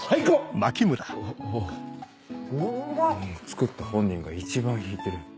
作った本人が一番引いてる。